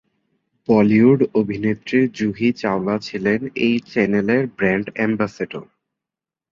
বলিউড অভিনেত্রী জুহি চাওলা ছিলেন এই চ্যানেলের ব্রান্ড অ্যামবাসডর।